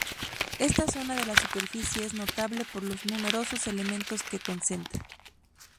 Esta zona de la superficie es notable por los numerosos elementos que concentra.